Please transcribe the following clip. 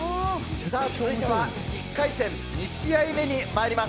続いては１回戦、２試合目にまいります。